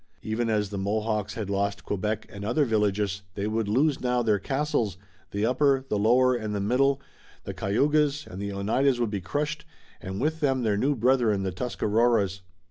Even as the Mohawks had lost Quebec and other villages they would lose now their castles, the Upper, the Lower and the Middle, the Cayugas and the Oneidas would be crushed, and with them their new brethren the Tuscaroras.